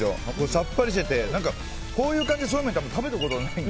さっぱりしててこういう感じ、そういえば食べたことない。